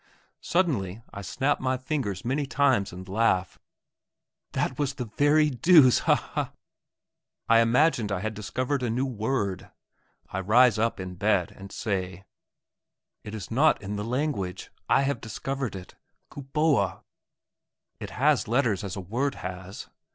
Suddenly I snap my fingers many times and laugh: "That was the very deuce! Ha ha!" I imagined I had discovered a new word. I rise up in bed and say, "It is not in the language; I have discovered it. 'Kuboa.' It has letters as a word has.